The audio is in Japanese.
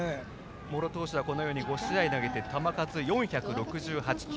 茂呂投手は５試合投げて球数４６８球。